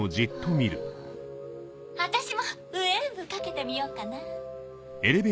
私もウエーブかけてみようかな。